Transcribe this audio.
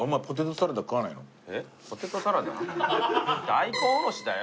大根おろしだよ。